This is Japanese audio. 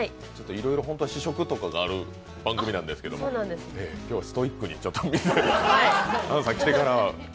いろいろ本当は試食とかがある番組なんですけど、今日はストイックになりました、杏さん来てから。